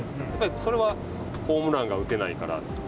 それはホームランが打てないから？